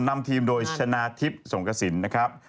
นำทีมโดยชนะทิพย์สงกระสินนะครับ